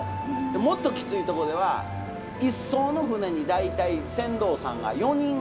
もっときついとこでは一艘の船に大体船頭さんが４人乗ってたらしいんですけど。